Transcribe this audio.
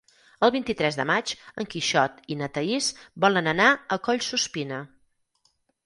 El vint-i-tres de maig en Quixot i na Thaís volen anar a Collsuspina.